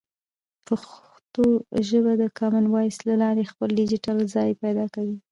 پښتو ژبه د کامن وایس له لارې خپل ډیجیټل ځای پیدا کوي.